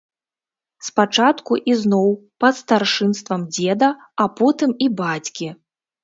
Спачатку ізноў пад старшынствам дзеда, а потым і бацькі.